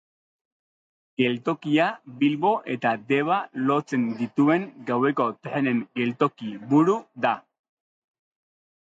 Geltokia Bilbo eta Deba lotzen dituen gaueko trenen geltoki-buru da.